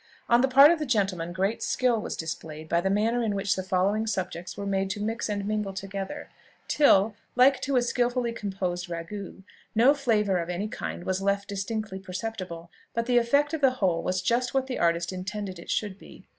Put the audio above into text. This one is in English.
On the part of the gentleman great skill was displayed by the manner in which the following subjects were made to mix and mingle together, till, like to a skilfully composed ragout, no flavour of any kind was left distinctly perceptible, but the effect of the whole was just what the artist intended it should be.